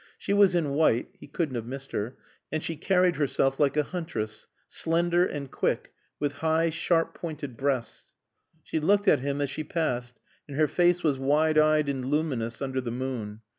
She was in white (he couldn't have missed her) and she carried herself like a huntress; slender and quick, with high, sharp pointed breasts. She looked at him as she passed and her face was wide eyed and luminous under the moon.